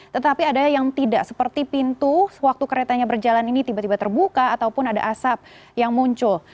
tetapi ada yang tidak seperti pintu waktu keretanya berjalan ini tiba tiba terbuka ataupun ada asap yang muncul